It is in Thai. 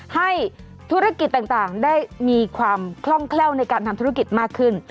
ให้ธุรกิจต่างได้มีความคล่องแคล่วในการทำธุรกิจมากขึ้น